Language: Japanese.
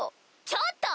ちょっと！